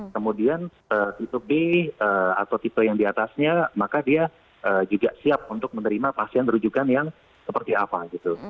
kemudian tipe b atau tipe yang diatasnya maka dia juga siap untuk menerima pasien rujukan yang seperti apa gitu